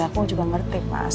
kamu juga ngerti mas